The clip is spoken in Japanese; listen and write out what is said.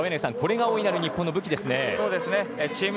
これが大いなる日本の武器ですね。